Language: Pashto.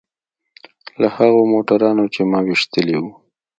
له هغو موټرانو چې ما ويشتلي وو.